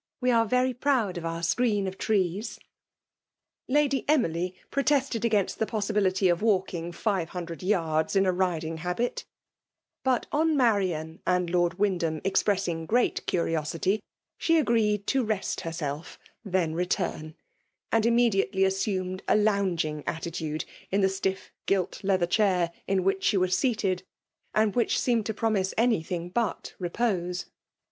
Wc are very proud of our screen of trees." Xady Emily protested against the possibi<> lity of walking five hundred yards in a riding habit; but on Marian and Lord WymdhaiQ expressing great curiosity, she agreed to rest licfself, then return ; and immediately assumed a lounging attitude in the stiff gilt leather chair in which she was seated, and which seemed to promise anything but repose.